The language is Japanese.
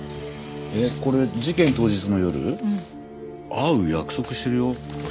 会う約束してるよこれ。